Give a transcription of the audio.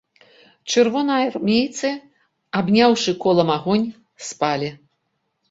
Чырвонаармейцы, абняўшы колам агонь, спалі.